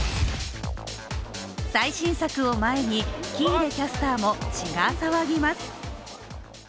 最新作を前に、喜入キャスターも血が騒ぎます。